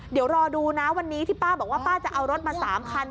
เดี๋ยวรอดูนะวันนี้ที่ป้าบอกว่าป้าจะเอารถมา๓คัน